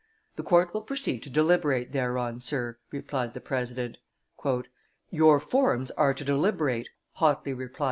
"The court will proceed to deliberate thereon, sir," replied the president. "Your forms are to deliberate," hotly replied M.